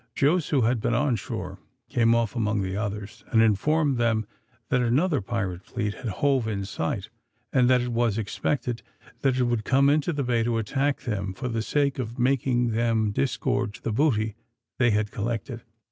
Jos, who had been on shore, came off among the others, and informed them that another pirate fleet had hove in sight, and that it was expected that it would come into the bay to attack them for the sake of making them disgorge the booty they had collected.